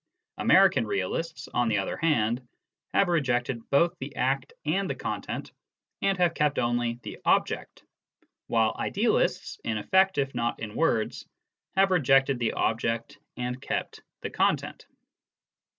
American realists, on the other hand, have rejected both the act and the content, and have kept only the object ; while idealists, in effect if not in words, have rejected the object and kept the content.